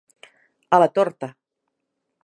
A la torta.